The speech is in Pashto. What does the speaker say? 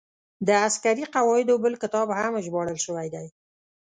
د عسکري قواعدو بل کتاب هم ژباړل شوی دی.